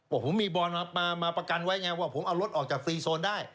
ผมมีบอลมาประกันไว้ไงว่าผมเอารถออกจากซีโซนได้